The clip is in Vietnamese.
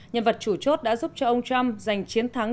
nhân vật chủ chốt đã giúp cho ông trump giành chiến thắng